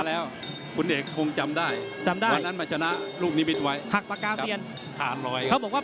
แต่น้องชายเคยมาครับ